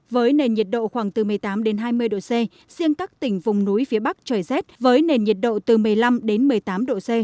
với nền nhiệt độ khoảng từ một mươi tám hai mươi độ c riêng các tỉnh vùng núi phía bắc trời rét với nền nhiệt độ từ một mươi năm đến một mươi tám độ c